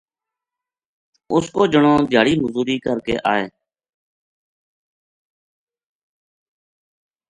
اُ س کو جنو دھیاڑی مزدوری کر کے آئے